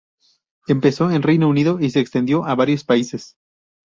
Empezó en Reino Unido y se extendió a varios países.